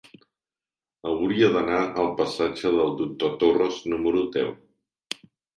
Hauria d'anar al passatge del Doctor Torres número deu.